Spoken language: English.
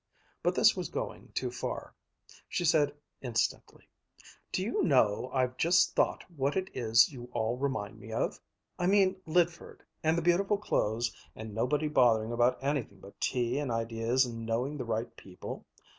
But this was going too far. She said instantly, "Do you know, I've just thought what it is you all remind me of I mean Lydford, and the beautiful clothes, and nobody bothering about anything but tea and ideas and knowing the right people.